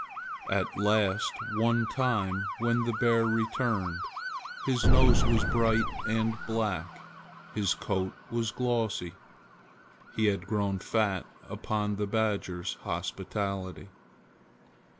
At last one time when the bear returned, his nose was bright and black. His coat was glossy. He had grown fat upon the badger's hospitality.